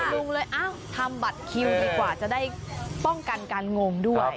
ลุงเลยทำบัตรคิวดีกว่าจะได้ป้องกันการงมด้วย